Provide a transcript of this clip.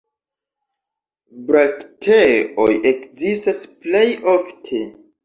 Brakteoj ekzistas plej ofte.